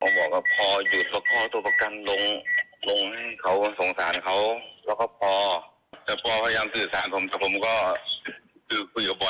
ผมบอกว่าพอหยุดแล้วพอตัวประกันลงลงให้เขาสงสารเขาแล้วก็พอ